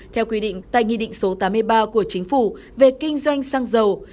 theo quy định tại nghị định số tám mươi ba của chính phủ về kinh doanh xăng dầu